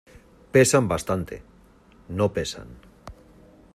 pesan bastante. no pesan .